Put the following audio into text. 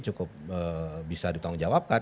cukup bisa ditanggungjawabkan